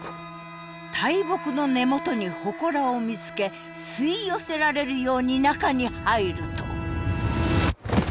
大木の根元に祠を見つけ吸い寄せられるように中に入ると。